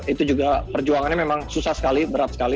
itu juga perjuangannya memang susah sekali berat sekali